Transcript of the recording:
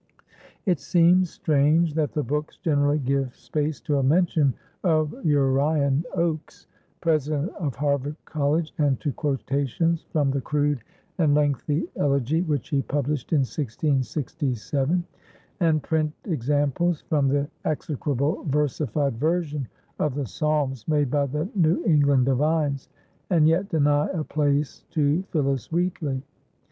It seems strange that the books generally give space to a mention of Urian Oakes, President of Harvard College, and to quotations from the crude and lengthy elegy which he published in 1667; and print examples from the execrable versified version of the Psalms made by the New England divines, and yet deny a place to Phillis Wheatley.